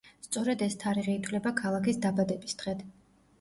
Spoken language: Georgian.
სწორედ ეს თარიღი ითვლება ქალაქის დაბადების დღედ.